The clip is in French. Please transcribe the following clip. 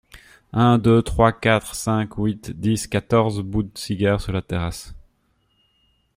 Un, deux, trois, quatre, cinq, huit, dix, quatorze bouts de cigare sur la terrasse !…